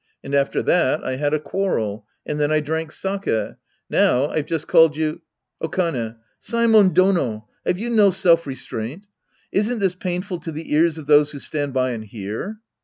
And after that I had a quarrel. And then I drank sakc' Now, I've just called you — Okane. Saemon Dono ! Have you no self re straint ? Isn't this painful to the ears of those who stand by and hear